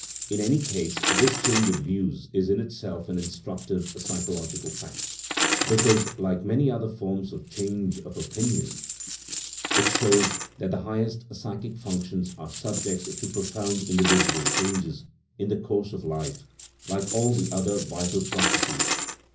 In any case, this change of views is in itself an instructive psycho logical fact ; because, like many other forms of change of opinion, it shows that the highest psychic functions are subject to profound individual changes in the course of life, like all the other vital proc esses.